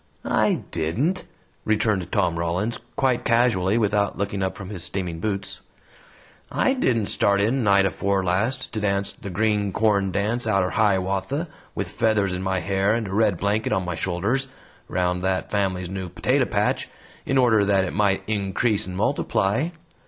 "I didn't," returned Tom Rollins, quite casually, without looking up from his steaming boots; "I didn't start in night afore last to dance 'The Green Corn Dance' outer 'Hiawatha,' with feathers in my hair and a red blanket on my shoulders, round that family's new potato patch, in order that it might 'increase and multiply.'